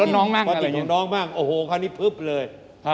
อ่ะโอเคเราเครียดเลย